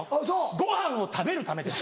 ごはんを食べるためです！